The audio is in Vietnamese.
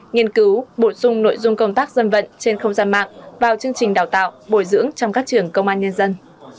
nghiên cứu bổ sung nội dung công tác dân vận trên không gian mạng vào chương trình đào tạo bồi dưỡng trong các trường công an nhân dân